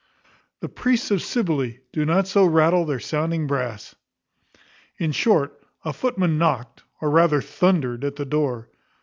_ The priests of Cybele do not so rattle their sounding brass. In short, a footman knocked, or rather thundered, at the door.